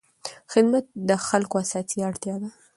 خدمت د خلکو اساسي اړتیا ده.